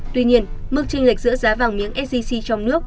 tuy nhiên mức tranh lệch giữa giá vàng miếng sgc trong nước